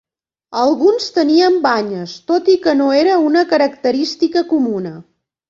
Alguns tenien banyes, tot i que no era una característica comuna.